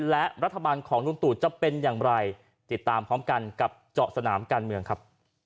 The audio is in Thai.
และรัฐบาลของลุงตู่จะเป็นอย่างไรติดตามพร้อมกันกับเจาะสนามการเมืองครับ